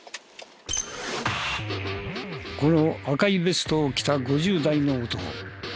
この赤いベストを着た５０代の男。